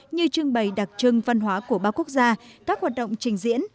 như trưng bày đặc trưng văn hóa của ba quốc gia các hoạt động trình diễn